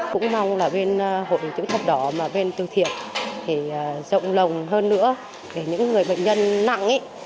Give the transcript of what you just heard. cũng mong là bên hội chữ thập đỏ mà bên tư thiệt thì rộng lòng hơn nữa để những người bệnh nhân nặng